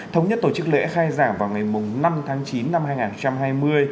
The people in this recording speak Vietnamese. thống nhất tổ chức lễ khai giảng vào ngày năm tháng chín năm hai nghìn hai mươi